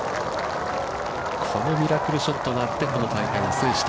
このミラクルショットがあって、この大会を制した